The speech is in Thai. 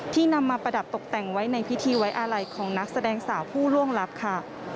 นำมาประดับตกแต่งไว้ในพิธีไว้อาลัยของนักแสดงสาวผู้ล่วงลับค่ะ